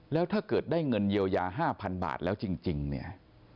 แล้วถ้าเกิดได้เงินเยียวยา๕๐๐๐บาทแล้วจริงเนี่ย